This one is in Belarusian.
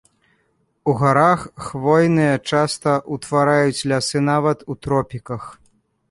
У гарах хвойныя часта ўтвараюць лясы нават у тропіках.